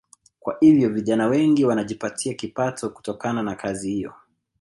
Kwa hiyo vijana wengi wanajipatia kipato kutokana na kazi hiyo